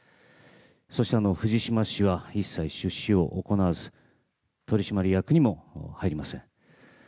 そして、藤島氏は一切出資を行わず取締役にも入りません。